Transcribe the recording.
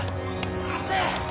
待て！